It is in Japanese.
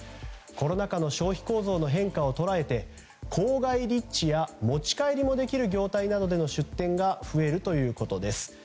コロナ禍の消費行動の変化を捉え郊外立地や持ち帰りのできる業態での出店が増えるということです。